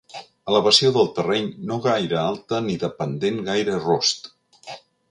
Elevació del terreny no gaire alta ni de pendent gaire rost.